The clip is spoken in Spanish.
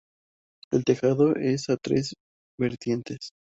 El tejado es a tres vertientes.